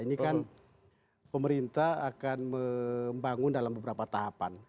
ini kan pemerintah akan membangun dalam beberapa tahapan